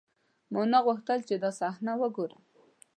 ما نه غوښتل چې دا صحنه وګورم.